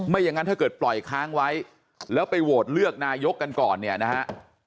อย่างนั้นถ้าเกิดปล่อยค้างไว้แล้วไปโหวตเลือกนายกกันก่อนเนี่ยนะฮะ